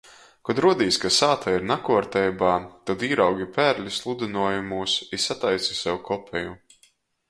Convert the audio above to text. Kod ruodīs, ka sāta ir nakuorteibā. Tod īraugi pērli sludynuojumūs. I sataisi sev kopeju.